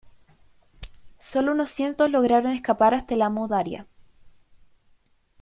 Sólo unos cientos lograron escapar hasta el Amu Daria.